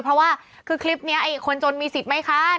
เพราะว่าคือคลิปนี้คนจนมีสิทธิ์ไหมคะ